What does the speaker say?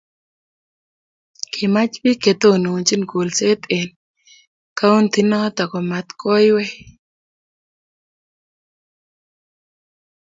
kimach biik chetononchini kolset eng kauntinoto komatkoiwei